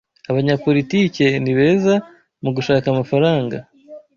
Abanyapolitike ni beza mu gushaka amafaranga.